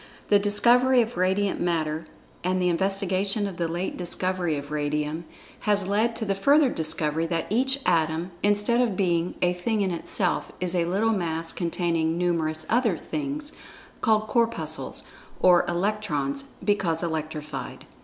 The discovery of Radiant Matter, and the investigation of the late discovery of Radium, has led to the further discovery that each Atom, instead of being a "thing in itself" is a little mass containing numerous other "Things" called "Corpuscles" (or "Electrons," because electrified).